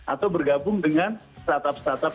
atau bergabung dengan startup startup